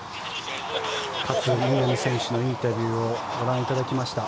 勝みなみ選手のインタビューをご覧いただきました。